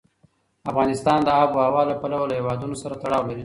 افغانستان د آب وهوا له پلوه له هېوادونو سره تړاو لري.